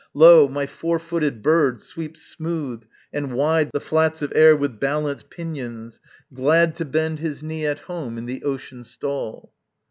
Lo! my four footed bird sweeps smooth and wide The flats of air with balanced pinions, glad To bend his knee at home in the ocean stall.